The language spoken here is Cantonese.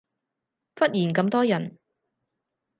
忽然咁多人